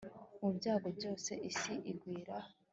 mu byago byose isi igwira